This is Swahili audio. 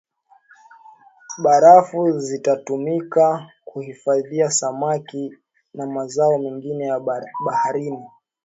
Barafu zitatumika kuhifadhia samaki na mazao mengine ya baharini